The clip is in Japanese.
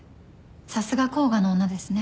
さすが甲賀の女ですね。